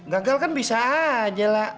gagal kan bisa aja lah